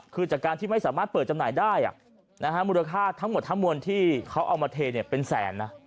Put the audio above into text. คือจากการที่ไม่สามารถเปิดจำหน่ายได้มูลค่าทั้งหมดทั้งมวลที่เขาเอามาเทเป็นแสนนะ